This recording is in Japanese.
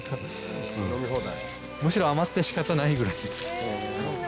むしろ余って仕方ないぐらいです。